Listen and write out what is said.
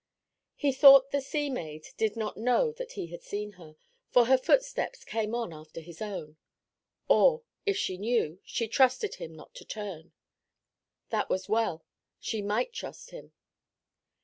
He thought the sea maid did not know that he had seen her, for her footsteps came on after his own. Or, if she knew, she trusted him not to turn. That was well; she might trust him.